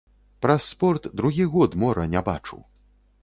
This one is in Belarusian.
Праз спорт другі год мора не бачу.